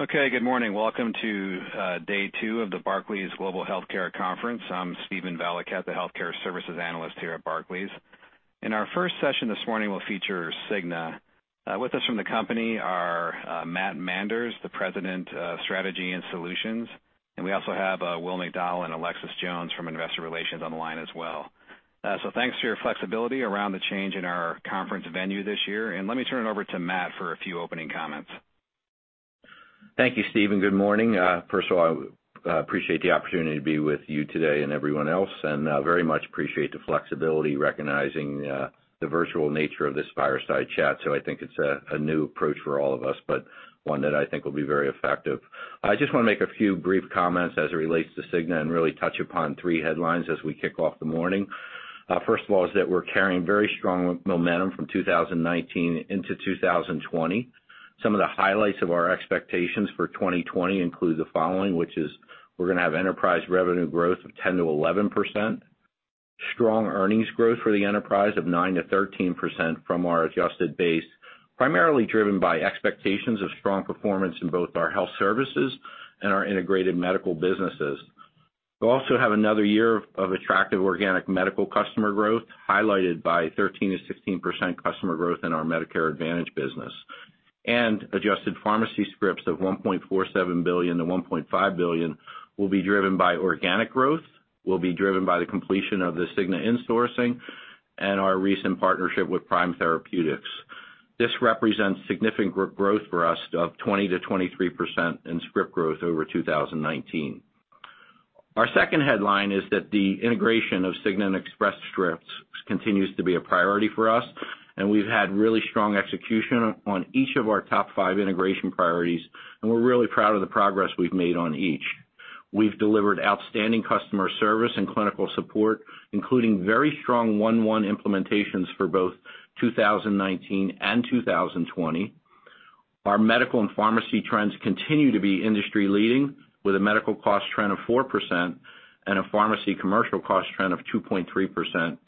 Okay, good morning. Welcome to day two of the Barclays Global Healthcare conference. I'm Steven Valichette, the Healthcare Services Analyst here at Barclays. In our first session this morning, we'll feature Cigna. With us from the company are Matt Manders, the President of Strategy and Solutions, and we also have Will McDonald and Alexis Jones from Investor Relations on the line as well. Thank you for your flexibility around the change in our conference venue this year. Let me turn it over to Matt for a few opening comments. Thank you, Steve. Good morning. First of all, I appreciate the opportunity to be with you today and everyone else, and very much appreciate the flexibility recognizing the virtual nature of this fireside chat. I think it's a new approach for all of us, but one that I think will be very effective. I just want to make a few brief comments as it relates to The Cigna and really touch upon three headlines as we kick off the morning. First of all, we're carrying very strong momentum from 2019 into 2020. Some of the highlights of our expectations for 2020 include the following, which is we're going to have enterprise revenue growth of 10% to 11%, strong earnings growth for the enterprise of 9% to 13% from our adjusted base, primarily driven by expectations of strong performance in both our health services and our integrated medical businesses. We also have another year of attractive organic medical customer growth highlighted by 13% to 16% customer growth in our Medicare Advantage business. Adjusted pharmacy scripts of 1.47 billion to 1.5 billion will be driven by organic growth, the completion of The Cigna insourcing, and our recent partnership with Prime Therapeutics. This represents significant growth for us of 20% to 23% in script growth over 2019. Our second headline is that the integration of The Cigna and Express Scripts continues to be a priority for us, and we've had really strong execution on each of our top five integration priorities, and we're really proud of the progress we've made on each. We've delivered outstanding customer service and clinical support, including very strong one-to-one implementations for both 2019 and 2020. Our medical and pharmacy trends continue to be industry-leading, with a medical cost trend of 4% and a pharmacy commercial cost trend of 2.3%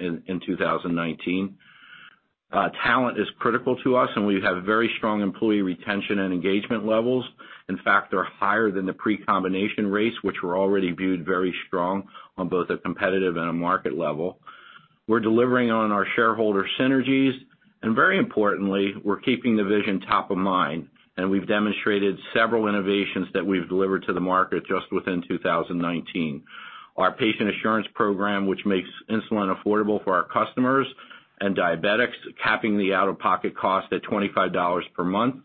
in 2019. Talent is critical to us, and we have very strong employee retention and engagement levels. In fact, they're higher than the pre-combination rates, which were already viewed very strong on both a competitive and a market level. We're delivering on our shareholder synergies, and very importantly, we're keeping the vision top of mind, and we've demonstrated several innovations that we've delivered to the market just within 2019. Our Patient Assurance Program, which makes insulin affordable for our customers and diabetics, caps the out-of-pocket cost at $25 per month.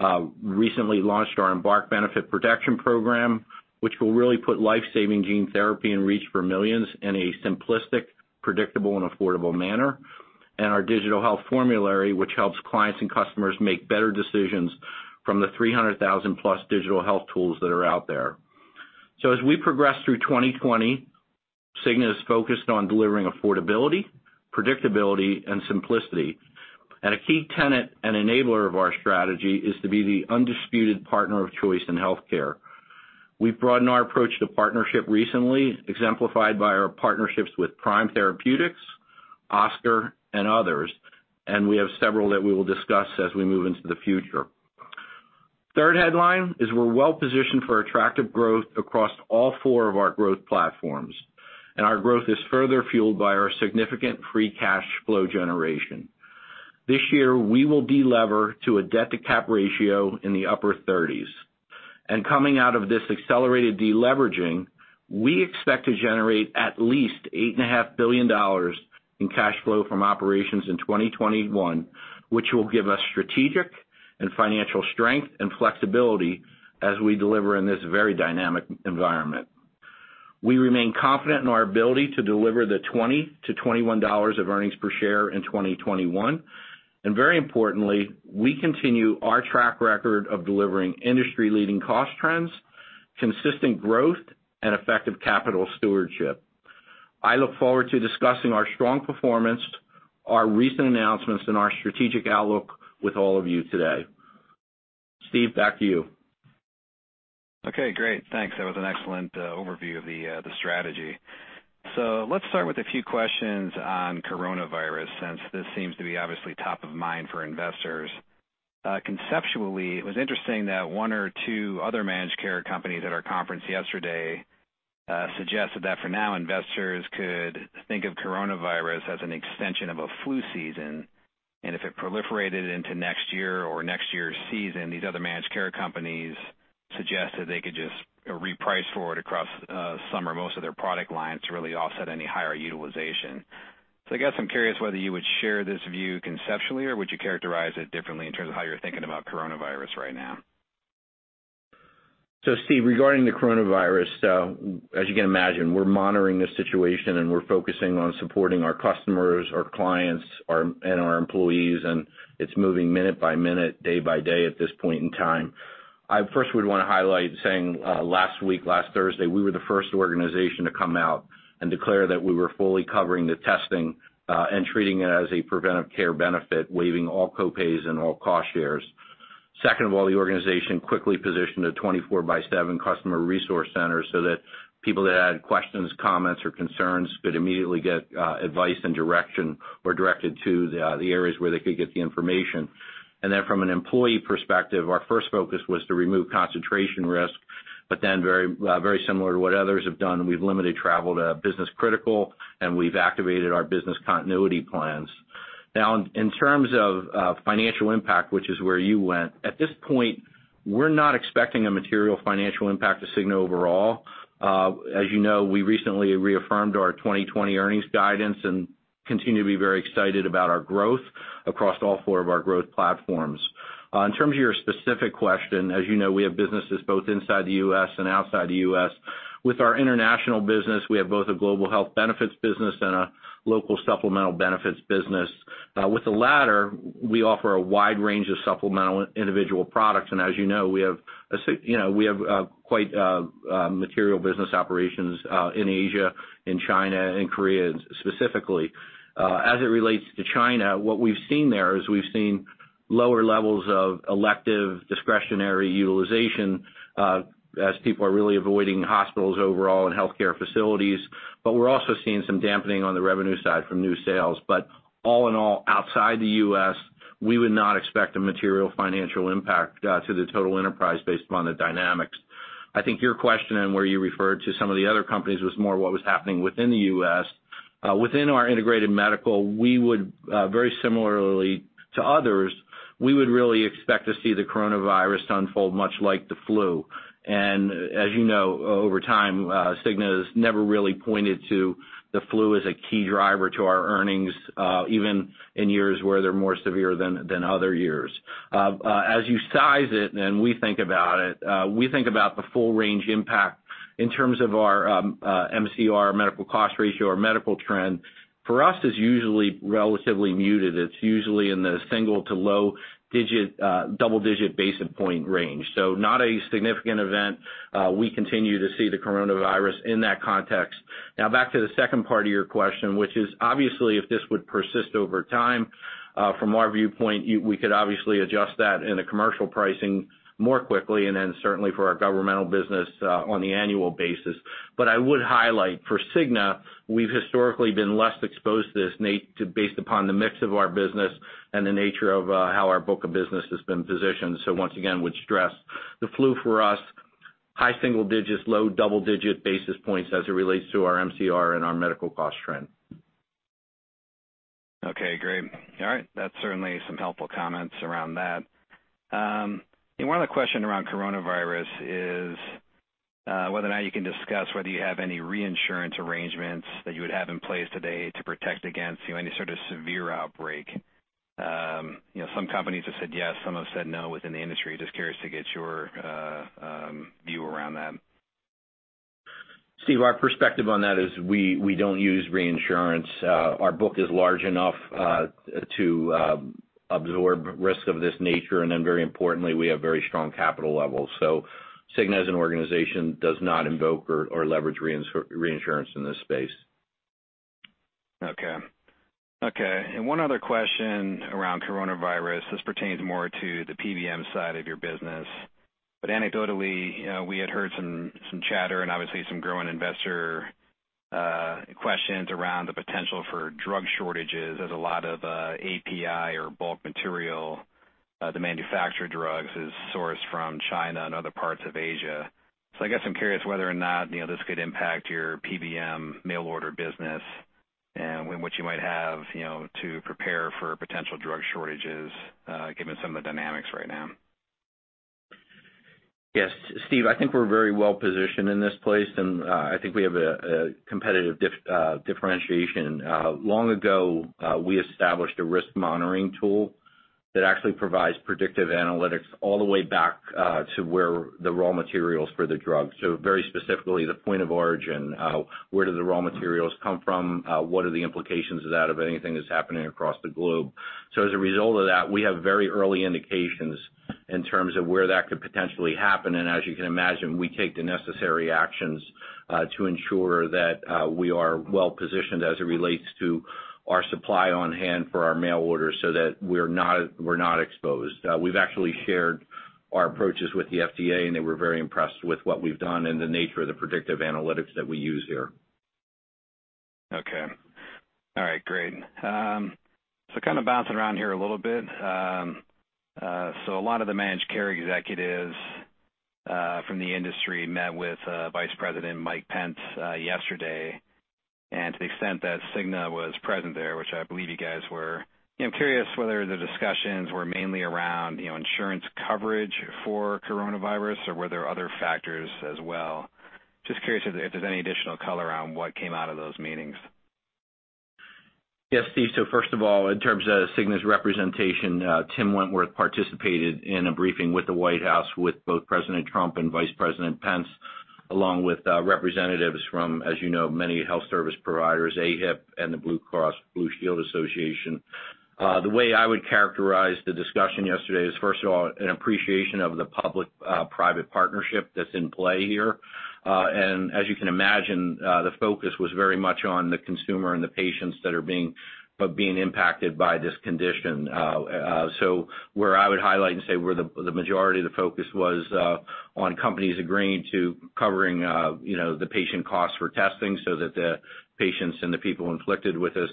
We recently launched our Embark Benefit Protection Program, which will really put life-saving gene therapy in reach for millions in a simplistic, predictable, and affordable manner. Our digital health formulary helps clients and customers make better decisions from the 300,000+ digital health tools that are out there. As we progress through 2020, Cigna is focused on delivering affordability, predictability, and simplicity. A key tenet and enabler of our strategy is to be the undisputed partner of choice in healthcare. We've broadened our approach to partnership recently, exemplified by our partnerships with Prime Therapeutics, Oscar, and others. We have several that we will discuss as we move into the future. The third headline is we're well positioned for attractive growth across all four of our growth platforms, and our growth is further fueled by our significant free cash flow generation. This year, we will delever to a debt-to-cap ratio in the upper 30s. Coming out of this accelerated deleveraging, we expect to generate at least $8.5 billion in cash flow from operations in 2021, which will give us strategic and financial strength and flexibility as we deliver in this very dynamic environment. We remain confident in our ability to deliver the $20 to $21 of earnings per share in 2021. Very importantly, we continue our track record of delivering industry-leading cost trends, consistent growth, and effective capital stewardship. I look forward to discussing our strong performance, our recent announcements, and our strategic outlook with all of you today. Steve, back to you. Okay, great. Thanks. That was an excellent overview of the strategy. Let's start with a few questions on coronavirus, since this seems to be obviously top of mind for investors. Conceptually, it was interesting that one or two other managed care companies at our conference yesterday suggested that for now investors could think of coronavirus as an extension of a flu season. If it proliferated into next year or next year's season, these other managed care companies suggested they could just reprice forward across summer most of their product lines to really offset any higher utilization. I guess I'm curious whether you would share this view conceptually, or would you characterize it differently in terms of how you're thinking about coronavirus right now? Steve, regarding the coronavirus, as you can imagine, we're monitoring the situation, and we're focusing on supporting our customers, our clients, and our employees. It's moving minute by minute, day by day at this point in time. I first would want to highlight saying last week, last Thursday, we were the first organization to come out and declare that we were fully covering the testing and treating it as a preventive care benefit, waiving all copays and all cost shares. Second of all, the organization quickly positioned a 24/7 customer resource center so that people that had questions, comments, or concerns could immediately get advice and direction or be directed to the areas where they could get the information. From an employee perspective, our first focus was to remove concentration risk. Very similar to what others have done, we've limited travel to business critical, and we've activated our business continuity plans. In terms of financial impact, which is where you went, at this point, we're not expecting a material financial impact to The Cigna overall. As you know, we recently reaffirmed our 2020 earnings guidance and continue to be very excited about our growth across all four of our growth platforms. In terms of your specific question, as you know, we have businesses both inside the U.S. and outside the U.S. With our international business, we have both a global health benefits business and a local supplemental benefits business. With the latter, we offer a wide range of supplemental individual products. As you know, we have quite material business operations in Asia, in China, and Korea specifically. As it relates to China, what we've seen there is we've seen lower levels of elective discretionary utilization as people are really avoiding hospitals overall and healthcare facilities. We're also seeing some dampening on the revenue side from new sales. All in all, outside the U.S., we would not expect a material financial impact to the total enterprise based upon the dynamics. I think your question on where you referred to some of the other companies was more what was happening within the U.S. Within our integrated medical, very similarly to others, we would really expect to see the coronavirus to unfold much like the flu. As you know, over time, Cigna has never really pointed to the flu as a key driver to our earnings, even in years where they're more severe than other years. As you size it and we think about it, we think about the full range impact in terms of our MCR, medical cost ratio, or medical trend. For us, it's usually relatively muted. It's usually in the single to low double-digit basis point range, so not a significant event. We continue to see the coronavirus in that context. Now, back to the second part of your question, which is obviously if this would persist over time, from our viewpoint, we could obviously adjust that in the commercial pricing more quickly and then certainly for our governmental business on the annual basis. I would highlight for Cigna, we've historically been less exposed to this based upon the mix of our business and the nature of how our book of business has been positioned. Once again, we stressed the flu for us, high single digits, low double-digit basis points as it relates to our MCR and our medical cost trend. Okay, great. All right, that's certainly some helpful comments around that. One other question around coronavirus is whether or not you can discuss whether you have any reinsurance arrangements that you would have in place today to protect against any sort of severe outbreak. Some companies have said yes, some have said no within the industry. Just curious to get your view around that. Steve, our perspective on that is we don't use reinsurance. Our book is large enough to absorb risk of this nature. Very importantly, we have very strong capital levels. Cigna, as an organization, does not invoke or leverage reinsurance in this space. Okay. One other question around coronavirus, this pertains more to the PBM side of your business. Anecdotally, we had heard some chatter and obviously some growing investor questions around the potential for drug shortages as a lot of API or bulk material, the manufactured drugs, is sourced from China and other parts of Asia. I guess I'm curious whether or not this could impact your PBM mail order business and what you might have to prepare for potential drug shortages, given some of the dynamics right now. Yes, Steve, I think we're very well positioned in this place, and I think we have a competitive differentiation. Long ago, we established a risk monitoring tool that actually provides predictive analytics all the way back to where the raw materials for the drug originate. Very specifically, the point of origin, where do the raw materials come from? What are the implications of that if anything is happening across the globe? As a result of that, we have very early indications in terms of where that could potentially happen. You can imagine, we take the necessary actions to ensure that we are well positioned as it relates to our supply on hand for our mail orders so that we're not exposed. We've actually shared our approaches with the FDA, and they were very impressed with what we've done and the nature of the predictive analytics that we use here. All right, great. Kind of bouncing around here a little bit. A lot of the managed care executives from the industry met with Vice President Mike Pence yesterday. To the extent that The Cigna was present there, which I believe you guys were, I'm curious whether the discussions were mainly around insurance coverage for coronavirus, or were there other factors as well? Just curious if there's any additional color around what came out of those meetings. Yes, Steve. First of all, in terms of The Cigna's representation, Tim Wentworth participated in a briefing with the White House with both President Trump and Vice President Pence, along with representatives from, as you know, many health service providers, AHIP, and the Blue Cross Blue Shield Association. The way I would characterize the discussion yesterday is, first of all, an appreciation of the public-private partnership that's in play here. As you can imagine, the focus was very much on the consumer and the patients that are being impacted by this condition. I would highlight and say the majority of the focus was on companies agreeing to covering the patient costs for testing so that the patients and the people inflicted with this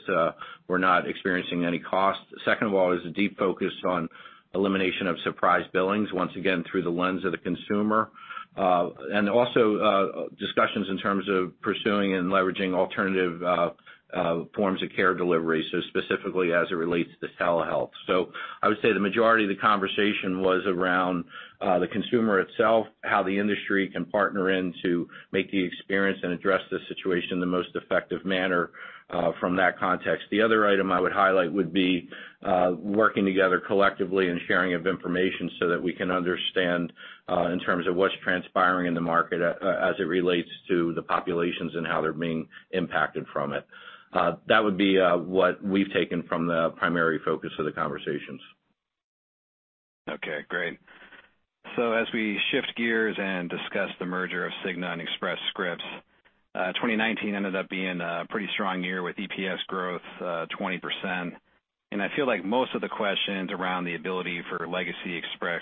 were not experiencing any cost. Second of all, there is a deep focus on elimination of surprise billings, once again through the lens of the consumer. There were also discussions in terms of pursuing and leveraging alternative forms of care delivery, specifically as it relates to telehealth. I would say the majority of the conversation was around the consumer itself, how the industry can partner in to make the experience and address the situation in the most effective manner from that context. The other item I would highlight would be working together collectively and sharing of information so that we can understand in terms of what's transpiring in the market as it relates to the populations and how they're being impacted from it. That would be what we've taken from the primary focus of the conversations. Okay, great. As we shift gears and discuss the merger of The Cigna and Express Scripts, 2019 ended up being a pretty strong year with EPS growth of 20%. I feel like most of the questions around the ability for legacy Express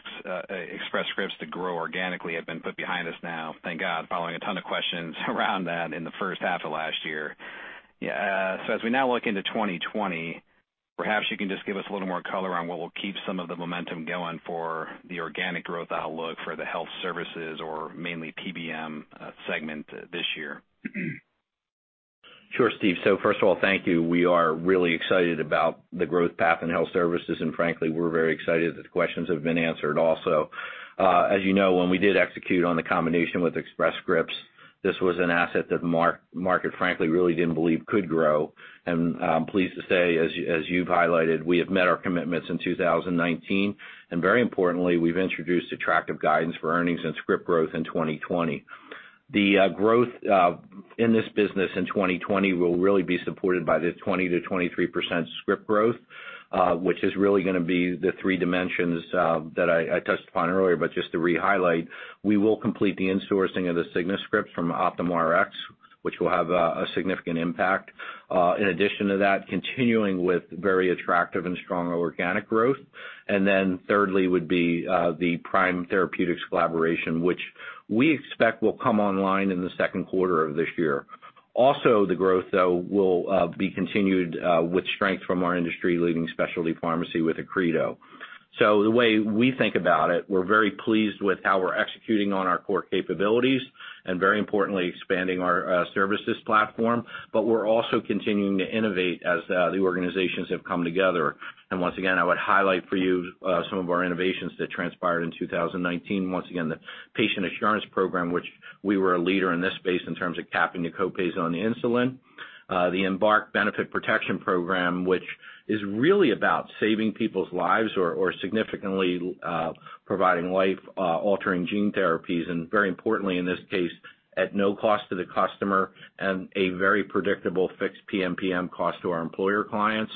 Scripts to grow organically have been put behind us now, thank God, following a ton of questions around that in the first half of last year. As we now look into 2020, perhaps you can just give us a little more color on what will keep some of the momentum going for the organic growth outlook for the health services or mainly PBM segment this year. Sure, Steve. First of all, thank you. We are really excited about the growth path in health services, and frankly, we're very excited that the questions have been answered also. As you know, when we did execute on the combination with Express Scripts, this was an asset that the market frankly really didn't believe could grow. I'm pleased to say, as you've highlighted, we have met our commitments in 2019. Very importantly, we've introduced attractive guidance for earnings and script growth in 2020. The growth in this business in 2020 will really be supported by the 20% to 23% script growth, which is really going to be the three dimensions that I touched upon earlier. Just to re-highlight, we will complete the insourcing of the Cigna scripts from Optum RX, which will have a significant impact. In addition to that, continuing with very attractive and strong organic growth. Thirdly would be the Prime Therapeutics collaboration, which we expect will come online in the second quarter of this year. Also, the growth will be continued with strength from our industry-leading specialty pharmacy with Accredo. The way we think about it, we're very pleased with how we're executing on our core capabilities and very importantly, expanding our services platform. We're also continuing to innovate as the organizations have come together. Once again, I would highlight for you some of our innovations that transpired in 2019. Once again, the Patient Assurance Program, which we were a leader in this space in terms of capping the copays on the insulin. The Embark Benefit Protection Program, which is really about saving people's lives or significantly providing life-altering gene therapies, and very importantly in this case, at no cost to the customer and a very predictable fixed PMPM cost to our employer clients.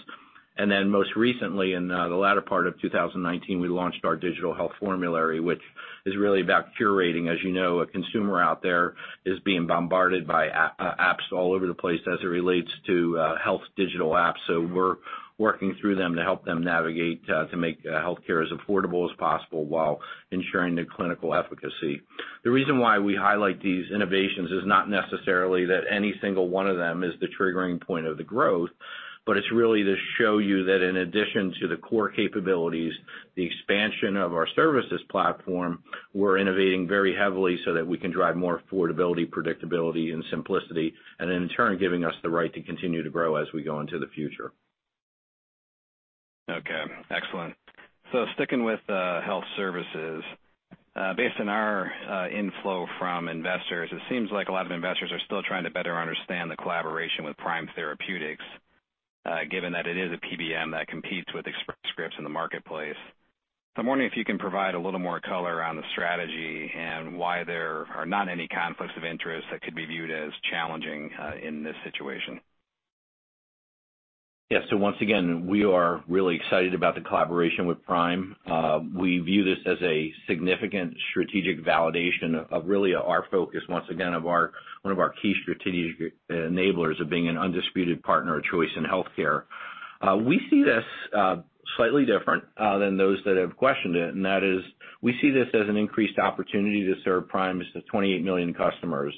Most recently, in the latter part of 2019, we launched our digital health formulary, which is really about curating. As you know, a consumer out there is being bombarded by apps all over the place as it relates to health digital apps. We're working through them to help them navigate to make healthcare as affordable as possible while ensuring the clinical efficacy. The reason why we highlight these innovations is not necessarily that any single one of them is the triggering point of the growth, but it's really to show you that in addition to the core capabilities, the expansion of our services platform, we're innovating very heavily so that we can drive more affordability, predictability, and simplicity, and in turn giving us the right to continue to grow as we go into the future. Okay, excellent. Sticking with health services, based on our inflow from investors, it seems like a lot of investors are still trying to better understand the collaboration with Prime Therapeutics, given that it is a PBM that competes with Express Scripts in the marketplace. I'm wondering if you can provide a little more color on the strategy and why there are not any conflicts of interest that could be viewed as challenging in this situation. Yes, so once again, we are really excited about the collaboration with Prime. We view this as a significant strategic validation of really our focus, once again, of one of our key strategic enablers of being an undisputed partner of choice in healthcare. We see this slightly different than those that have questioned it, and that is we see this as an increased opportunity to serve Prime's 28 million customers.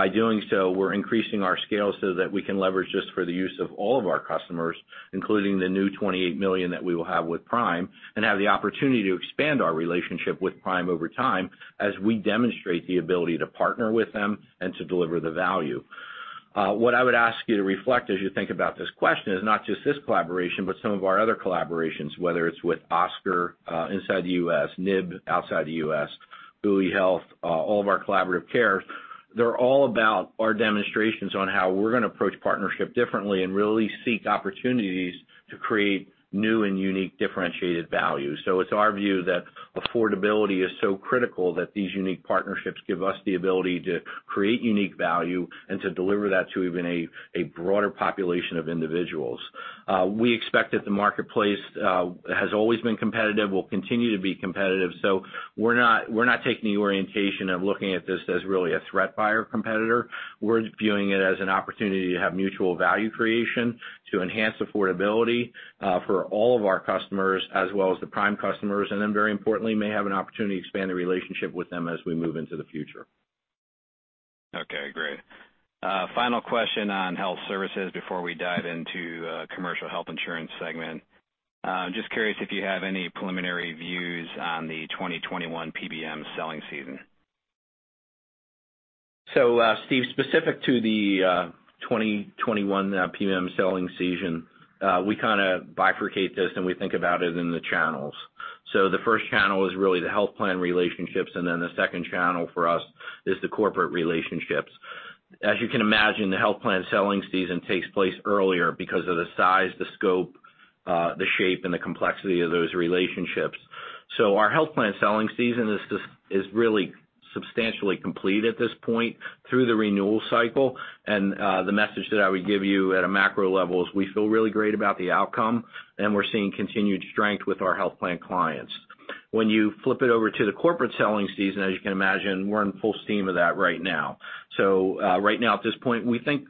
By doing so, we're increasing our scale so that we can leverage this for the use of all of our customers, including the new 28 million that we will have with Prime, and have the opportunity to expand our relationship with Prime over time as we demonstrate the ability to partner with them and to deliver the value. What I would ask you to reflect as you think about this question is not just this collaboration, but some of our other collaborations, whether it's with Oscar inside the U.S., NIB outside the U.S., Uli Health, all of our collaborative cares, they're all about our demonstrations on how we're going to approach partnership differently and really seek opportunities to create new and unique differentiated values. It's our view that affordability is so critical that these unique partnerships give us the ability to create unique value and to deliver that to even a broader population of individuals. We expect that the marketplace has always been competitive, will continue to be competitive. We're not taking the orientation of looking at this as really a threat by our competitor. We're viewing it as an opportunity to have mutual value creation, to enhance affordability for all of our customers as well as the Prime customers, and then very importantly, may have an opportunity to expand the relationship with them as we move into the future. Okay, great. Final question on health services before we dive into the commercial health insurance segment. I'm just curious if you have any preliminary views on the 2021 PBM selling season. Steve, specific to the 2021 PBM selling season, we kind of bifurcate this and we think about it in the channels. The first channel is really the health plan relationships, and then the second channel for us is the corporate relationships. As you can imagine, the health plan selling season takes place earlier because of the size, the scope, the shape, and the complexity of those relationships. Our health plan selling season is really substantially complete at this point through the renewal cycle. The message that I would give you at a macro level is we feel really great about the outcome, and we're seeing continued strength with our health plan clients. When you flip it over to the corporate selling season, as you can imagine, we're in full steam of that right now. At this point, we think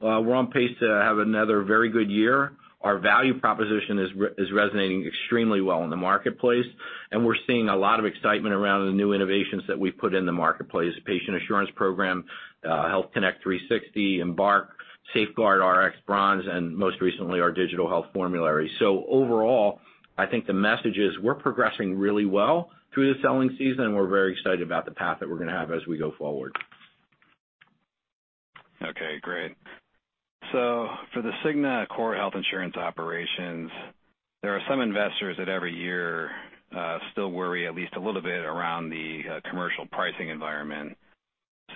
we're on pace to have another very good year. Our value proposition is resonating extremely well in the marketplace, and we're seeing a lot of excitement around the new innovations that we've put in the marketplace: Patient Assurance Program, Health Connect 360, Embark, Safeguard RX Bronze, and most recently our digital health formulary. Overall, I think the message is we're progressing really well through the selling season, and we're very excited about the path that we're going to have as we go forward. Okay, great. For The Cigna core health insurance operations, there are some investors that every year still worry at least a little bit around the commercial pricing environment.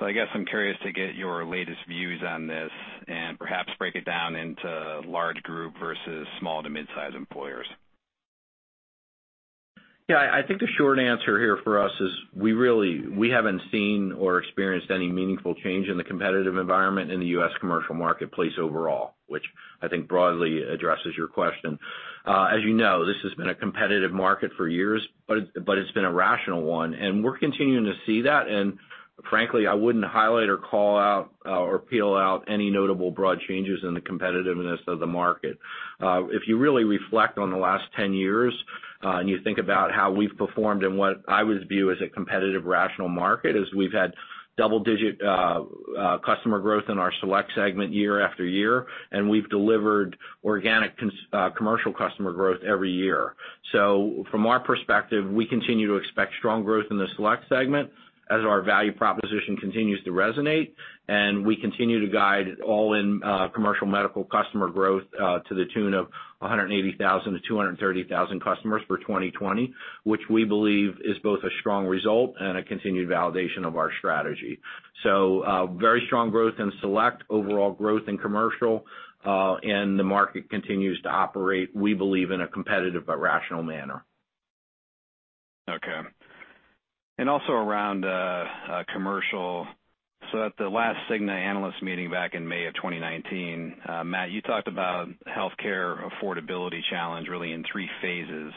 I'm curious to get your latest views on this and perhaps break it down into large group versus small to mid-size employers. Yeah, I think the short answer here for us is we really haven't seen or experienced any meaningful change in the competitive environment in the US commercial marketplace overall, which I think broadly addresses your question. As you know, this has been a competitive market for years, but it's been a rational one, and we're continuing to see that. Frankly, I wouldn't highlight or call out or peel out any notable broad changes in the competitiveness of the market. If you really reflect on the last 10 years and you think about how we've performed in what I would view as a competitive rational market, we've had double-digit customer growth in our select segment year after year, and we've delivered organic commercial customer growth every year. From our perspective, we continue to expect strong growth in the select segment as our value proposition continues to resonate, and we continue to guide all-in commercial medical customer growth to the tune of 180,000 to 230,000 customers for 2020, which we believe is both a strong result and a continued validation of our strategy. Very strong growth in select, overall growth in commercial, and the market continues to operate, we believe, in a competitive but rational manner. Okay. Also around commercial, at the last Cigna analyst meeting back in May of 2019, Matt, you talked about healthcare affordability challenge really in three phases.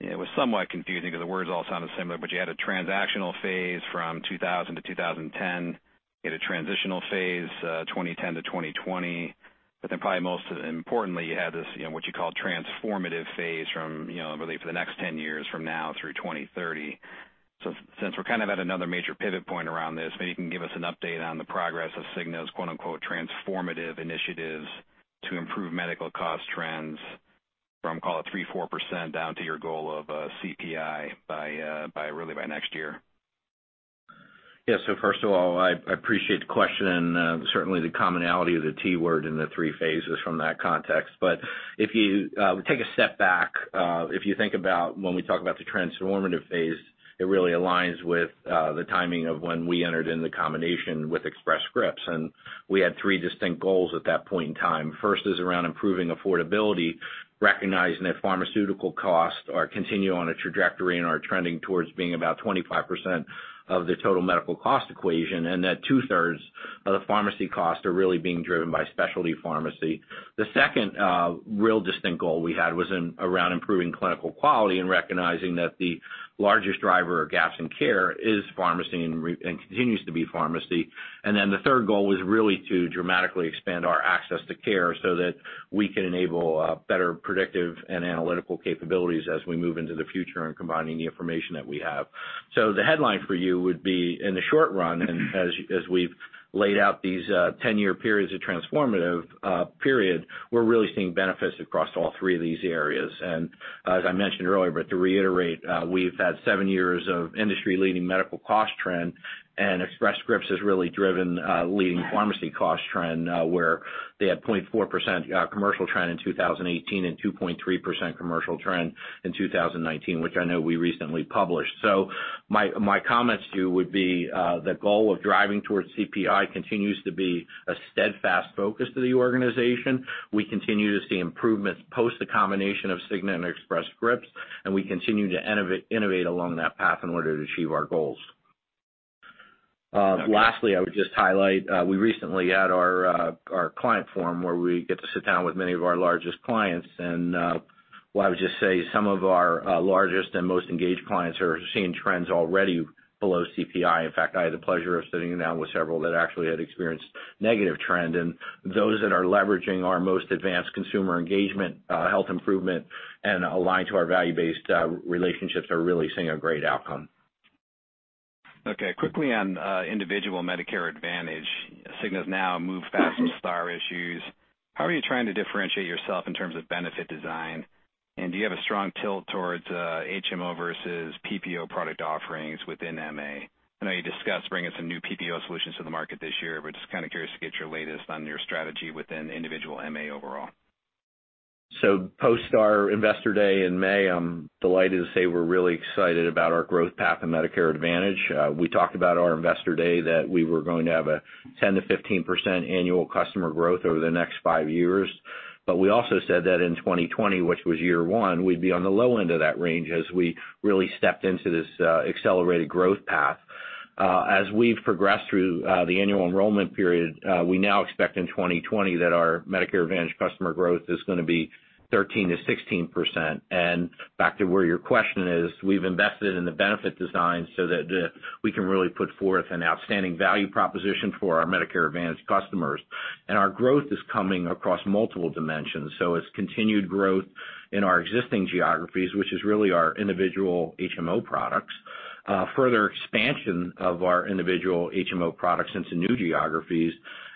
It was somewhat confusing because the words all sound similar, but you had a transactional phase from 2000 to 2010, you had a transitional phase 2010 to 2020, but then probably most importantly, you had this, you know, what you call transformative phase from, you know, really for the next 10 years from now through 2030. Since we're kind of at another major pivot point around this, maybe you can give us an update on the progress of Cigna's quote-unquote, "transformative initiatives" to improve medical cost trends from, call it, 3%-4% down to your goal of CPI by really by next year. Yeah, first of all, I appreciate the question and certainly the commonality of the T word in the three phases from that context. If you take a step back, if you think about when we talk about the transformative phase, it really aligns with the timing of when we entered in the combination with Express Scripts, and we had three distinct goals at that point in time. First is around improving affordability, recognizing that pharmaceutical costs continue on a trajectory and are trending towards being about 25% of the total medical cost equation, and that two-thirds of the pharmacy costs are really being driven by specialty pharmacy. The second real distinct goal we had was around improving clinical quality and recognizing that the largest driver of gaps in care is pharmacy and continues to be pharmacy. The third goal was really to dramatically expand our access to care so that we can enable better predictive and analytical capabilities as we move into the future and combining the information that we have. The headline for you would be, in the short run, and as we've laid out these 10-year periods of transformative period, we're really seeing benefits across all three of these areas. As I mentioned earlier, but to reiterate, we've had seven years of industry-leading medical cost trend, and Express Scripts has really driven leading pharmacy cost trend where they had 0.4% commercial trend in 2018 and 2.3% commercial trend in 2019, which I know we recently published. My comments to you would be the goal of driving towards CPI continues to be a steadfast focus to the organization. We continue to see improvements post the combination of Cigna and Express Scripts, and we continue to innovate along that path in order to achieve our goals. Lastly, I would just highlight we recently had our client forum where we get to sit down with many of our largest clients. I would just say some of our largest and most engaged clients are seeing trends already below CPI. In fact, I had the pleasure of sitting down with several that actually had experienced negative trends. Those that are leveraging our most advanced consumer engagement, health improvement, and aligned to our value-based relationships are really seeing a great outcome. Okay, quickly on individual Medicare Advantage, Cigna's now moved past Inspire issues. How are you trying to differentiate yourself in terms of benefit design? Do you have a strong tilt towards HMO versus PPO product offerings within MA? I know you discussed bringing some new PPO solutions to the market this year, just kind of curious to get your latest on your strategy within individual MA overall. Post our Investor Day in May, I'm delighted to say we're really excited about our growth path in Medicare Advantage. We talked at our Investor Day that we were going to have a 10% to 15% annual customer growth over the next five years. We also said that in 2020, which was year one, we'd be on the low end of that range as we really stepped into this accelerated growth path. As we've progressed through the annual enrollment period, we now expect in 2020 that our Medicare Advantage customer growth is going to be 13% to 16%. Back to where your question is, we've invested in the benefit design so that we can really put forth an outstanding value proposition for our Medicare Advantage customers. Our growth is coming across multiple dimensions. It's continued growth in our existing geographies, which is really our individual HMO products, further expansion of our individual HMO products into new geographies.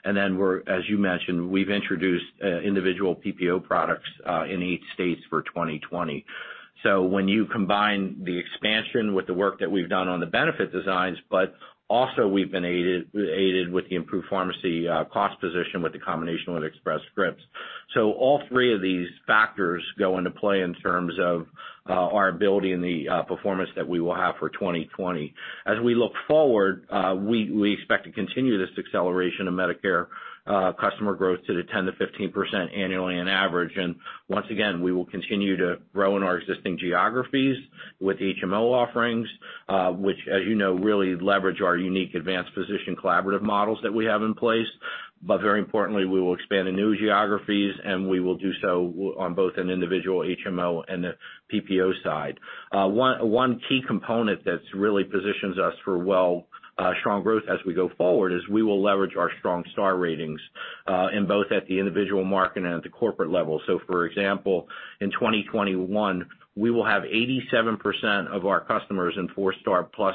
As you mentioned, we've introduced individual PPO products in eight states for 2020. When you combine the expansion with the work that we've done on the benefit designs, we've also been aided with the improved pharmacy cost position with the combination with Express Scripts. All three of these factors go into play in terms of our ability and the performance that we will have for 2020. As we look forward, we expect to continue this acceleration of Medicare customer growth to the 10% to 15% annually on average. Once again, we will continue to grow in our existing geographies with HMO offerings, which, as you know, really leverage our unique advanced position collaborative models that we have in place. Very importantly, we will expand to new geographies, and we will do so on both an individual HMO and the PPO side. One key component that really positions us for strong growth as we go forward is we will leverage our strong star ratings both at the individual market and at the corporate level. For example, in 2021, we will have 87% of our customers in four-star plus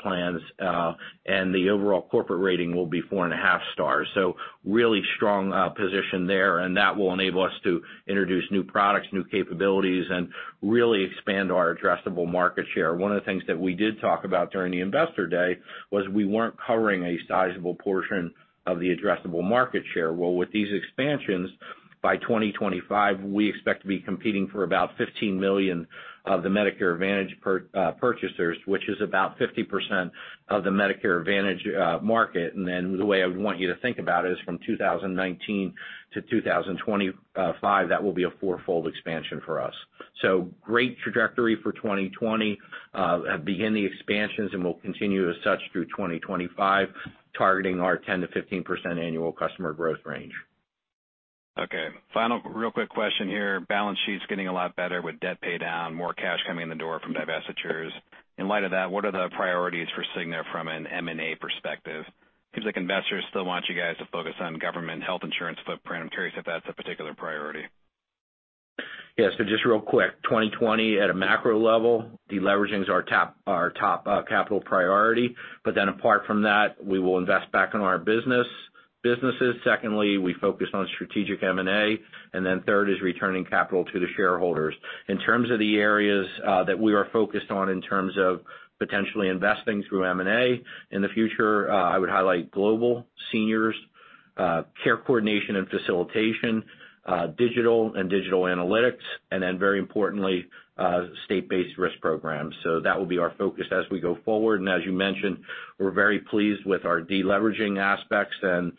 plans, and the overall corporate rating will be four and a half stars. Really strong position there, and that will enable us to introduce new products, new capabilities, and really expand our addressable market share. One of the things that we did talk about during the Investor Day was we weren't covering a sizable portion of the addressable market share. With these expansions, by 2025, we expect to be competing for about 15 million of the Medicare Advantage purchasers, which is about 50% of the Medicare Advantage market. The way I would want you to think about it is from 2019 to 2025, that will be a four-fold expansion for us. Great trajectory for 2020. Begin the expansions, and we'll continue as such through 2025, targeting our 10% to 15% annual customer growth range. Okay, final real quick question here. Balance sheet's getting a lot better with debt pay down, more cash coming in the door from divestitures. In light of that, what are the priorities for The Cigna from an M&A perspective? Seems like investors still want you guys to focus on government health insurance footprint. I'm curious if that's a particular priority. Yeah, so just real quick, 2020 at a macro level, deleveraging is our top capital priority. Apart from that, we will invest back in our businesses. Secondly, we focus on strategic M&A. Third is returning capital to the shareholders. In terms of the areas that we are focused on in terms of potentially investing through M&A in the future, I would highlight global, seniors, care coordination and facilitation, digital and digital analytics, and very importantly, state-based risk programs. That will be our focus as we go forward. As you mentioned, we're very pleased with our deleveraging aspects and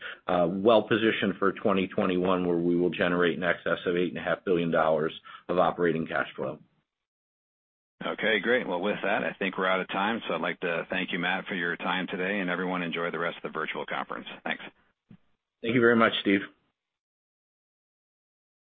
well positioned for 2021, where we will generate in excess of $8.5 billion of operating cash flow. Okay, great. With that, I think we're out of time. I'd like to thank you, Matt, for your time today, and everyone, enjoy the rest of the virtual conference. Thanks. Thank you very much, Steve.